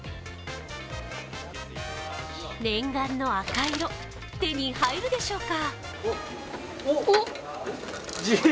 念願の赤色、手に入るでしょうか。